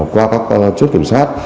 qua các chốt kiểm soát